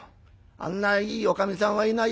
あんないいおかみさんはいない。